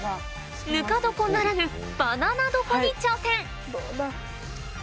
ぬか床ならぬバナナ床に挑戦どうだ？